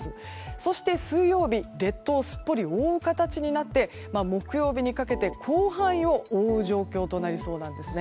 そして水曜日列島をすっぽり覆う形になって木曜日にかけて広範囲を覆う状況となりそうなんです。